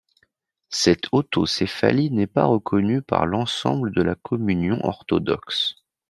Cette autocéphalie n'est pas reconnue par l'ensemble de la Communion orthodoxe.